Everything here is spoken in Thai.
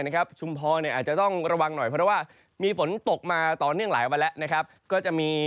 เขาจะมีกลุ่มฝนที่เข้ามา